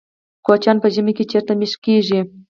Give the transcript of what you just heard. کوچیان په ژمي کې چیرته میشت کیږي؟